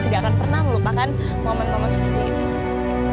tidak akan pernah melupakan momen momen seperti ini